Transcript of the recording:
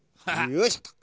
よいしょと。